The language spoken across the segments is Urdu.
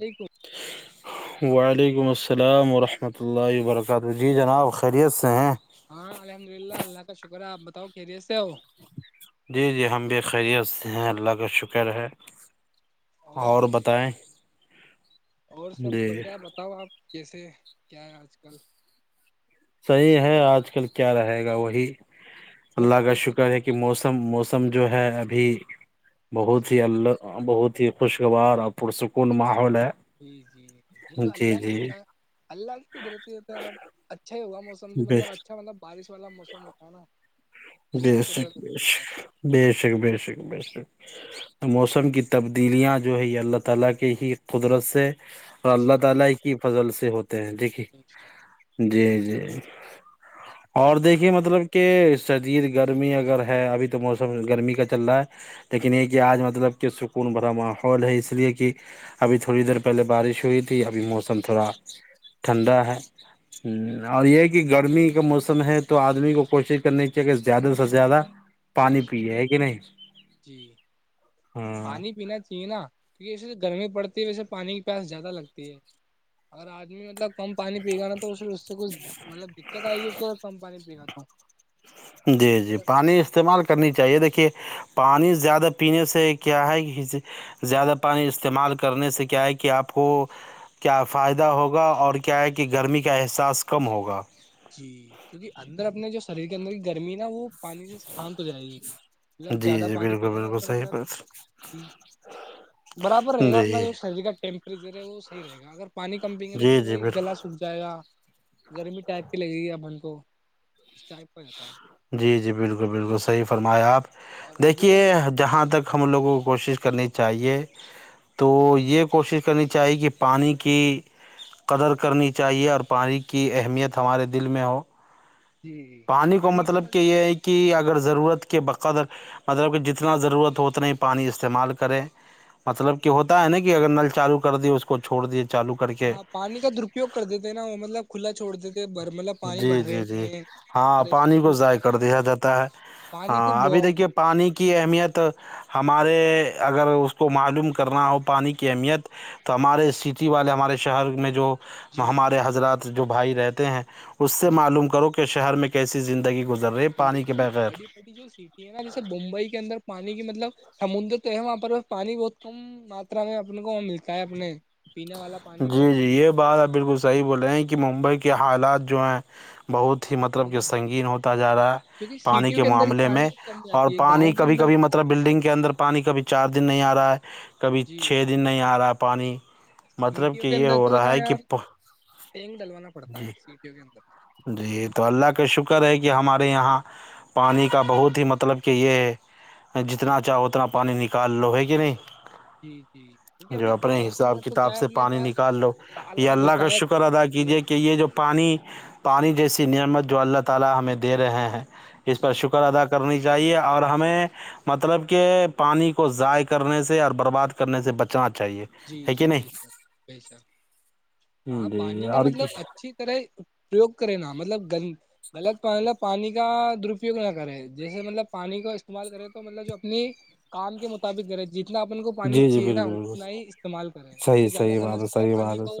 عیکم وعلیکم السلام ورحمۃ اللہ و برکاتہ جی جناب خیریت سے ہیں ہاں الحمد للہ اللہ کا شکر ہے آپ بتاؤ کیرییے سے ہو جی جی ہم بھی خیریت سے ہیں اللہ کا شکر ہے اور بتائیں اور سب جی بڑھیا بتاؤ آپ کیسے کیا ہے آج کل صحیح ہے آج کل کیا رہے گا وہی اللہ وقت کا کیسے شکر نکل ہے رہا کہ موسم موسم سم جو ہے ابھی ہے جی بہت ہی اللہ بہت ہی خوشگوار پرسکون ماحول ہے جی جی نہیں تو جی اللہ جی اللہگ تودرتی تاراچ اچا ہوگاوسم بے توطلب اچھا ملب بارش والا موسم ہوتا ہے نا اللہ کی بسک قدرت بی ہوتی ہے بشک بی شک شک موسم اللہ جی تعالی کی فضل سے ہوتے ہیں جییک بے شک، جی جی یہ اور تو دیکھیے مطلب کہ شدید گرمی اگر ہے ابھی تو موسم گرمی کا چل رہا ہے لیکن یہ کہ آج مطلب کہ سکون بھرا ماحول ہے اس لیے کہ ابھی تھوڑی دیر پہلے بارش ہوئی تھی اب بھی موسم جی تھوڑا ٹھنڈا ہے اور یہ کہ گرمی کا موسم ہے تو آدمی کو کوشش کرنے کی کہ زیادہ سے زیادہ بے پانی شک پیے ہے کہ نہیں جی ہاں پانی پینا چاہیے نا کیونکہ جیسے گرمی پڑتی ہے ویسے پانی کی پیاس زیادہ لگتی ہے اگر آدمی مطلب کم پانی پی گا تو پھر اس سے کچ مطلب دقت آئے گی کم پانی پی رہا تو جی جی مطلب پانی استعمال کرنی چاہیے دیکھیے پانی زیادہ پینے سے کیا ہے زیادہ پانی استعمال کرنے سے کیا ہے کہ آپ کو کیا فائدہ ہوگا اور کیا ہے کہ گرمی کا احساس کم ہوگا جی کیونکہ اندر اپنے جو شریر کے اندر کی گرمی نا وہ پانی سے شانت ہو جائے گی مطلب جی زیادہ جی پانی بالکل پییں نا اس بالکل کا صحیح مطلب بات۔ برابر رہے گا اپنا جی جو شریر کا ٹیمپریچر رہے گا وہ صحی رہے گ اگر پانی کم پئیں گے تو پھر جی جی وہی گلا بالکل سکھ جائے گا جر م ٹپ لگے گی ا من کو اس ٹائپ کا ہوتا ہے جی جی بالکل بالکل صحیح فرمایا آپ اور ابھی تو دیکھیے جہاں جی تک ہم لوگوں کو کوشش کرنی چاہیے چاہیے تو یہ کوشش کرنی چاہیے کہ پانی کی قدر کرنی چاہیے اور پانی کی اہمیت ہمارے دل میں ہو جی پانی کو مطلب کہ یہ ہے کہ ا ضرورت کے بقدر مطلب کہ جتنا ضرورت ہو اتنا ہی پانی استعمال کریں مطلب کہ ہوتا ہے جی نا کہ اگر نل چالو کر دییا اس کو چوڑ دییاے ہاں پانی کا درپیوگ کر دیتے ہیں نا وہ مطلب کھلا چھوڑ دیتے مطلب پانی جی بھر رہے جی جی نہیں ہے ہاں اور ایسے ہی پانی کو چھوٹ ضائع رہا ہے کر کھلا دیا جاتا ہے پانی کو ہاں ابھی بہت دیکھیے پانی کی اہمیت ہم ہمارے اگر اس کو معلوم کرنا ہو پانی کی اہمیت تو ہمارے سٹی والے ہمارے شہر میں جو وہ جی جی ہمارے حضرات جو بھائی رہتے ہیں اور اس سے جی معلوم کرو کہ شہر میں کیسی زندگی گزر رہی ہے یہ وہ پانی کے توھی بغیر بڑی بڑی جو سٹی ہے نا جیسے بمبئی کے اندر پانی کی مطلب سمندر تو ہے وہاں پر پانی بہت کم ماترا میں اپنے کو وہ ملتا ہے اپنے پینے والا پانی بہت جی جی کم یہ بات آپ بالکل صحیح بولے ہیں کہ ممبئی کے حالات جو ہیں بہت ہی مطلب کہ ملتا ہے، سنگین ہوتا جا رہا ہے کیونکہ پانی سیٹیوں کے اندر ہی معاملے پانی میں کی کمی اور آتی ہے پانی گاؤں کے کبھی اندر کبھی مطلب تو بلڈنگ کے اندر پانی کبھی چار دن نہیں آ رہا ہے کبھی جی چھ دن نہیں آ رہا پانی مطلب کہ سیٹیوں یہ ہو رہا ہے کہ ٹینگ ڈلوانا پڑتا جی ہے سیٹیوں کے اندر جی تو اللہ کا شکر ہے کہ ہمارے یہاں پانی کا بہت ہی مطلب کہ یہ ہے جتنا چاہو اتنا پانی نکال لو ہے کہ نہیں جی جی کیونکہ جو ابھی اپنے گاؤں کے حساب اندر تو کیا کتاب ہے سے اپنے پانی پاس نکال لو یا تالاب اللہ ہوتا کا ہے شکر ادا کیجے کنواں- کہ یہ جو پانی جیسی نعمت جو اللہ تعی ت ہمیں دے رہے ہیں اس جی پر شکر ادا کر کرنی چاہیے اور ہمیں مطلب کہ پانی کو ضائع کرنے سے اور برباد کرنے سے بچنا چاہیے جی ہے کہ جی بے شک بے شک نہیں ہاں پانی جی کا اور مطلب جی اچھی طرحو کرے نا مطلب گن غلط مطلب پانی کا درپیوگ نہ کرے جیسے مطلب پانی کا استعمال کرے تو مطلب جو اپنی کام کے مطابق کرے جی اتنا اپن کو پانی جی چیے نا بالکل بالکل ہی استعمال کرے اس صحیح سے زیادہ صحی کرنے بات ہے سے کیا صحیح بات پانی ہے کو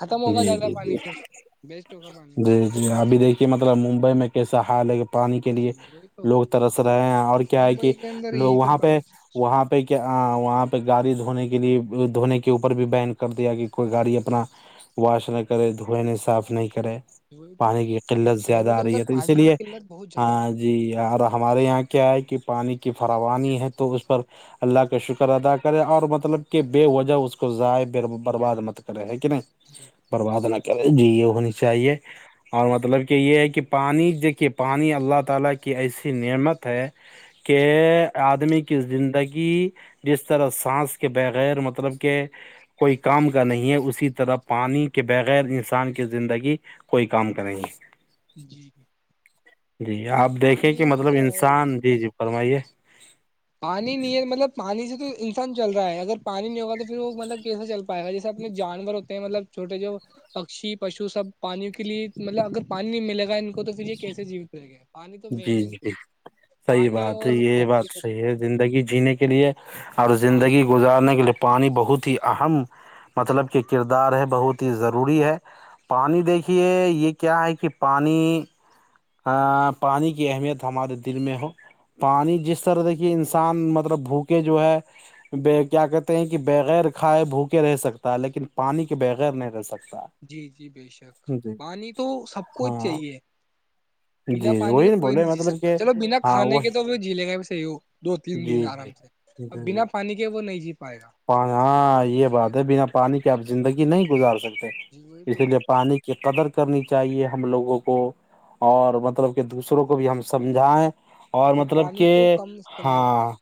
ختم ہوگا جی زیادہ جی جی پانی پھر بیسٹ ہوگا پانی جی جی ابھی دیکھیے مطلب ممبئی میں کیسے سہا لگے پانی کے جی لیے وہی تو لوگ ترس رہے ہیں اور کیا ہے کہ ممبئی کے اندر لوگ یہی تو وہاں پہ پانی کی، وہاں پہ ہاں وہاں پہ گاڑی دھونے کے لیے دھونے کے اوپر بھی بین کر دیا گ کوئی گاڑی اپنا واش نہ کرے دھویں نہیں صاف نہیں کرے وہی تو پانی کی قلت زیادہ شہروں کے آ رہی ہے اندر تو اسی پانی کی لیے قلت بہت زیادہ ہاں ہوتی جی اور ہمارے یہاں کیا ہے کہ پانی کی فراوانی ہے تو اس پر اللہ کا شکر ادا کرے اور مطلب کہ بے وجہ اس کو ضائع بے برباد مت کرے ہے کتیں ہے جی برباد نہ کہ یہ ہے کہ پانی کے پانی اللہ تعالی کی نعمت ہے کہ آدمی زندگی کہ جس طرح سانس کے بغیر مطلب کہ کوئی کام کا نہیں ہے اسی طرح پانی کے بغیر انسان کی زندگی کوئی کام کا نہیں ہے جی جی جی آپ دیکھیں پانی کہ ہی مطلب تو ہے انسان جی جی فرمائیے ھا پانی نہیں مطلب پانی سے تو انسان چل رہا ہے اگر پانی نہیں ہوگا تو پھر وہ مطلب کیسا چلتا پائے گا جیسے اپنے جانور ہو مطلب چھوٹے جو پکشی پشو سب پانی کے لیے مطلب اگر پانی نہیں ملے گا ان کو تو پھر یہ کیسے جیوت ملے گا جی جی صحیح بات ہے اور یہ بات آکسیجن صحیح ہے زندگی جینے کے لیے اور پانی زندگی گزارنے کے لیے پانی بہ ہی اہم جی مطلب کہ کرد دار ہے بہت ہی ضروری ہے پانی دیکھیے یہ کیا ہے کہ پانی پانی کی اہمیت ہمارے دل میں ہو پانی جی جس طرح دھیے انسان مطلب بھوکے جو ہے کیا کہتے ہیں کہ بغیر کھائے بھوکے رہ سکتا ہے لیکن پانی کے بغیر نہیں رہ سکتا جی جی بے شک جی پانی تو سب کوچ ہاں چاہیے بنا جی جی پانی کے وہی کوئی بولے نہیں جی مطلب سکتا کہ چلو بنا ہاں کھے کے تو وہ جیلے گئے دو تین دن جی جی آرام سے جی اور جی بنا پانی کے وہ نہیں جیت ہاں یہ بات ہے بنا پانی کے آپ زندگی نہیں گزار سکتے جی وہی اسی تو لیے پانی کی قدر کرنی چاہیے ہم لوگوں کو اور مطلب کہ دوسروں کو بھی ہم سمجھائیں اور مطلب پانی کہ کو کم استعمال کرے ہاں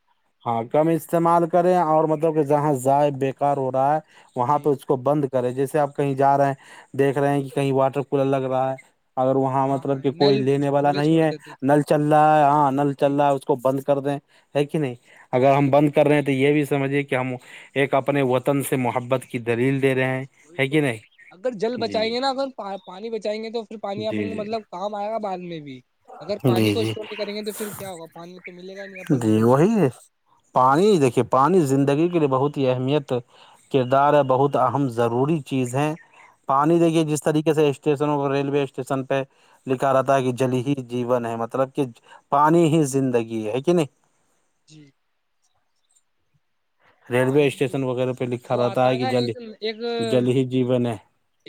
ہاں کم استعمال کریں اور م کہ جہاں ضائع بے کار ہو رہا ہے وہاں پہ جی اس کو بند کر ے جیسے آپ کہیں جا رہے ہیں دیکھ رہے ہیں کہ کہیں واٹر کولر لگ رہا ہے اگر وہاں ہاں مطلب کہ کوئی نل لینے والا کھلے نہیں چھوڑ ہے دیتے نل چل رہا ہے ہاں نل چل جی رہا ہے اس کو بند کر دیں ایک کہ نہیں اگر ہم جی بند کر رہے ہیں تو یہ بھی سمجھیے کہ ہم ایک اپنے وطن سے محبت کی دلیل دے رہے ہیں وہ ہے کہ تو نہیں اگر جل جی بچائیں گے نا اگر پانی بچائیں گے تو پھر پانی جی اپن کو جی مطلب کام آئے گا بعد میں بھی اگر پانی جی کو جی اسٹور نہیں کریں گے تو پھر کیا ہوگا پانی تو ملے گا ہی نہیں اپن پ جی زیاہ وہی پانی دیکھیے پانی زندگی کے لیے بہت ہی اہمیت کردار ہے بہت اہم ضروری چیز ہے پانی دیکھیے جس طریقے سے اسٹیشنوں کو ریلوے اسٹیشن پہ لکھا رہاتا کہ جل ہی جیون ہے مطلب کہ پانی ہی زندگی ہے کہ نہیں جی ریلوے پانی اسٹیشن وغیرہ پہ لکھا وہ آتا رہتا ہے کہ نا جل ایک ایک جل ہی جیون ہے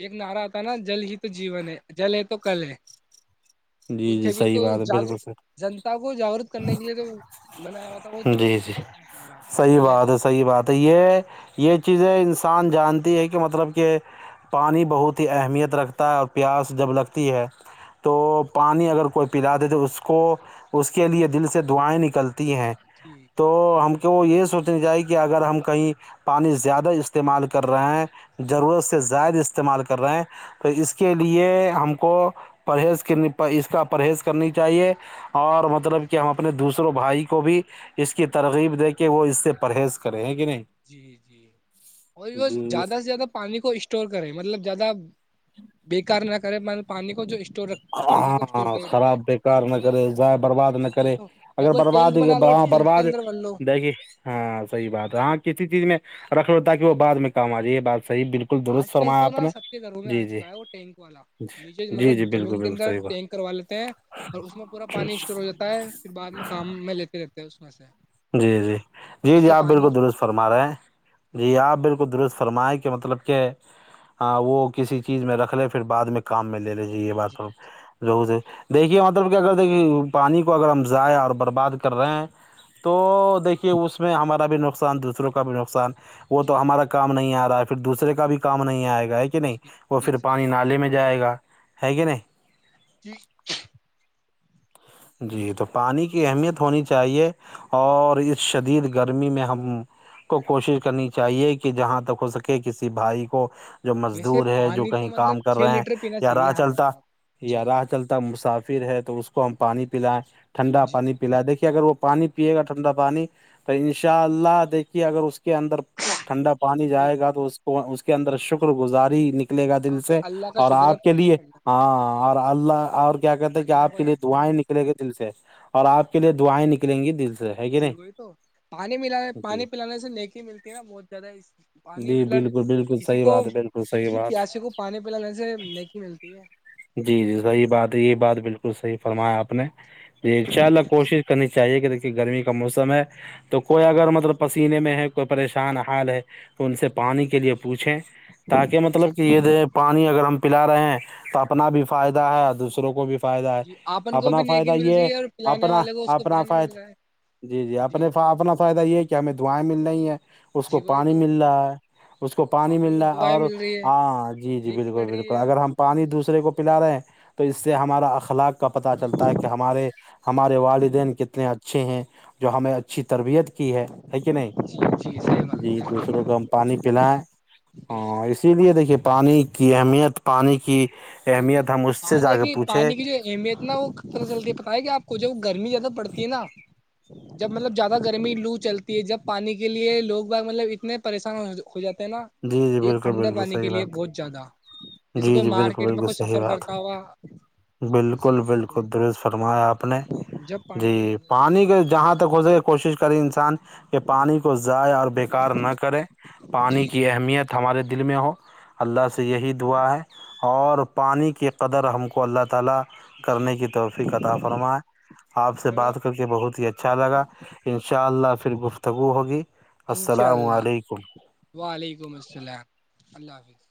ایک نعرہ آتا نا جل ہی تو جیون ہے جل ہے تو کل ہے وہ جی تھ جی بھی صحیح تو بات ہے ج بالکل صحیح جنتا کو جاگروک کرنے کے لیے تو بنایا ہوا تھا وہان جی جی صحیح رہاے بات تو ہے صحیح بات ہے یہ یہ چیزیں انسان جانتی ہے کہ مطلب کہ پانی بہت ہی اہمیت رکھتا ہے اور پیاس جب لگتی ہے تو پانی اگر کوئی پلاے تو اس کو اس کے لیے دل سے دعائیں نکل ہیں جی تو ہم کو کہ وہ یہ سوچنی چاہی کہ اگر ہم کہیں پانی زیادہ استعمال کر رہے ہیں ضرورت سے زائد استعمال کر رہے ہیں تو اس کے لیے ہم کو پرہیز کے اس کا پرہیز کرنی چاہیے اور مطلب کہ ہم اپنے دوسروں بھائی کو بھی اس کی ترغیب دے کے وہ اس سے پرہیز کریں کہ نہیں جی جی اور جی زیادہ سے زیادہ پانی کو اسٹور کریں مطلب زیادہ بیکار نہ پانی کو جو اسٹور رکھ پانی کو اسٹور ہاں کر خراب رکھے بیکار نہ کرے جائ برباد نہ کرے تو یا اگر کوئی برباد ٹینک بنا لو ٹینک کے برباد اندر بن لو دیکھیے ہاں صحیح بات ہے ہ کتسی چیز میں رکھ لو تاک وہ بع میں کام آ جائے یہ بات صحیح بالکل آج درست کل فرمایا تو آپ نا نے سب کے گھروں میں جی آ جی چکا ہے وہ ٹینک والا نیچے جی جی مطلب بالکل زمین بالکل اندر صحیح بات ٹینک کروا لیتے ہیں اور اس میں پورا پانی اسٹور ہو جاتا ہے پھر بعد میں کام میں لیتے لیتے ہیں اس میں سے جی جی جی اس جی سے آپ پانی بالکل درست فرما رہے ہیں جی آپ بالکل درست فرمائیں کہ مطلب کے وہ کسی چیز میں رکھ لے پھر بع میں کام میں لے ل ج ہے جی ماتم [unintelligible] لوگ سے دیکھیے مطلب کہ اگر دیکھیے پانی کو اگر ہم ضائع اور برباد کر رہے ہیں تو دیکھیے اس میں ہمارا بھی نقصان دوسروں کا بھی نقصان وہ تو جی ہمارا کام نہیں آ رہا پھر دوسرے کا بھی کام نہیں آئے گا ہے کہ نہیں جی وہ جی پھر صحیح پانی بات نالے میں جائے گا ہے کہ نہیں ج [unintelligible] جی تو پانی کی اہمیت ہونی چاہیے اور اس شدید کے گرمی میں ہم کو کوشش کرنی چاہیے کہ جہاں تک ہو سکے کسی بھائی کو جو ویسے مزدور ہے جو پانی تو کہیں مطلب کام کر چھ رہے ہیں لیٹر پینا یا چاہیے راہ ہر چلتا آدمی کو یا جی راہ چلتا صافر ہے تو اس کو ہم پانی پلاائ ٹھنڈا جی پانی پیلا دیکے اگر وہ پانی پیے گا ٹھنڈا پانی تو ان شاء اللہ دیکھیے اگر اس کے کے اندر ٹھنڈا پانی جی جائے گا تو اس اس کے اندر شکر گزاری نکل لے گا دل ہاں کہ سے اللہ کا اور شکر ہے آپ کے پانی لیے ٹھنڈا مل گیا ہاں اور اللہ اور کیا کہتے ہیں کہ اللہ آپ کو کے لیے تو یاد کرے دعائیں گا نکلے گے دل سے اور آپ کے لیے دائیں نکل کلیں گی دل سے ہے کہ جی نہیں وہی تو پانی ملان جی پانی پلانے سے نیکی ملتی ہے نا بہت زیادہ پانی جی مطلب بالکل بالکل کسی صحیح کو بات ہے بالکل صحیح کسی بات پیاسے کو پانی پلانے سے نیکی ملتی ہے توسی [unintelligible] فرمایا آپ نے جی ان شاء اللہ کوشش کرنی چاہیے کہ دیکھی کہ گرمی کا موسم ہے تو کوئی اگر مطلب پسینے میں ہے کوئی پریشان حال ہے تو ان سے پانی کے لیے پوچھیں تاکہ جی مطلب کہ یہ د پانی اگر ہم پلا رہے ہیں تو اپنا بھی فائدہ ہے دوسروں کو بھی فائدہ جی آپن کو اپنا بھی نیکی فائدہ مل یہ رہی ہے اور پلانے اپنا والے کو اس کو اپنا پانی فائدہ مل رہا ہے جی جی اپنے اپنا فائدہ یہ کہ کیا ہمیں دعائیں مل رہی ہیں اس کو جی وہی پانی تو مل رہا ہے اس کو پانی آپ ان مل رہا کو ہے دعائیں اور مل رہی ہے ہاں جی جی نیکی بالکل بڑھ رہی بالکل ہے اگر ہم پانی دوسر کو پلا رہے ہیں تو اس سے ہمارا اخلاق پتا وہی چلتا تو ہے کہار ہمارے والدین کتنے اچھے اچھے ہیں جو ہمیں اچھی تربیت کی ہے ہے کہ نہیں جی جی صحیح بات جی ہے دوسروں کو ہم پانی پلائیں بے شک ہ اسی لیے دیکھیے پانی کی اہمیت پانی کی وہی تو اہمیت ہم اس سے جا پانی کے کی پوچھے پانی کی جو اہمیت نہ وہ جلدی پتائے آپ کو جب گرمی زیادہ پڑتی ہے نا جب مطلب زیادہ گرمی لو چلتی ہے جب پانی کے لیے لوگ ب مطلب اتنے پریشان ہو جاتے نا جی جی یہ بالکل ٹھنڈے بالکل پانی کے صحیح لیے بات بہت زیادہ جیسے جی کوئی جی مارچ بالکل بالکل صحیح بات بالکل بالکل درز فرمایا آپ نے جب جی پانی کی پانی کے ضرورت جہاں تک ہو سکے کوشش کر انسان کہ پانی کو ضائع اور بیکار نہ کرے پانی جی کی اہمیت ہمارے دل میں ہو اللہ جی سے یہی دعا ہے اور پانی کی قدر ہم کو اللہ تعالی کرنے جی کی توفیق کاطا فرمائے آپ سے چلو بات کر کے بہت ہی اچھا لگا ان شاء اللہ پھر پھر گفتگو ہوگی السلام علیکم کماسالم اللہ حافظ